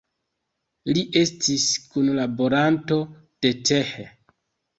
Li estis kunlaboranto de Th.